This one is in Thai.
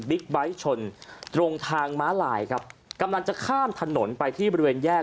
ไบท์ชนตรงทางม้าลายครับกำลังจะข้ามถนนไปที่บริเวณแยก